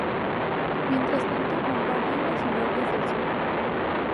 Mientras tanto bombardeó la ciudad desde el sur.